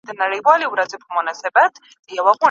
ښایستې د مور ملوکي لکه زرکه سرې دي نوکي